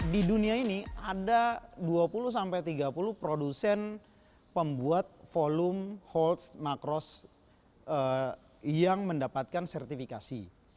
di dunia ini ada dua puluh tiga puluh produsen pembuat volume holtz macros yang mendapatkan sertifikasi